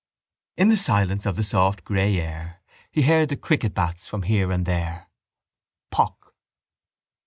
In the silence of the soft grey air he heard the cricket bats from here and from there: pock.